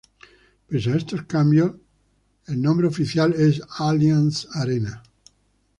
Pese a estos cambios, el nombre oficial es Allianz Arena.